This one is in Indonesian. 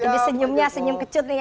lebih senyumnya senyum kecut nih ya